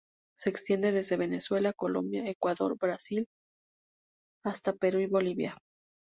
Se extiende desde Venezuela, Colombia, Ecuador, y Brasil hasta Perú y Bolivia.